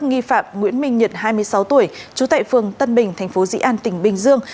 nghi phạm nguyễn minh nhật hai mươi sáu tuổi trú tại phường tân bình thành phố dĩ an tỉnh bình dương